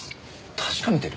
確かめてる？